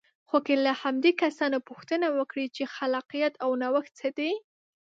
خو که له همدې کسانو پوښتنه وکړئ چې خلاقیت او نوښت څه دی.